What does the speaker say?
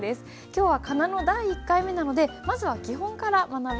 今日は仮名の第１回目なのでまずは基本から学びましょう。